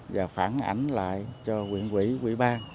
và phản ảnh lại cho quyền quỹ quỹ ban